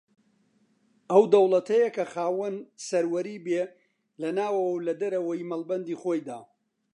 ئەو دەوڵەتەیە کە خاوەنی سەروەری بێ لە ناوەوە و لە دەرەوەی مەڵبەندی خۆیدا